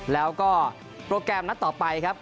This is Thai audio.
แล้วก็โปรแกรมนัดต่อไปครับ